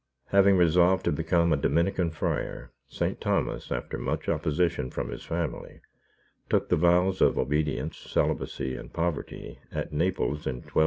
Having resolved to become a Dominican friar, St. Thomas, after much opposition from his family, took the vows of obedience, celibacy, and poverty at Naples, in 1243.